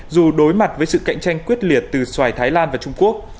dù đối mặt với sự cạnh tranh quyết liệt từ xoài thái lan và trung quốc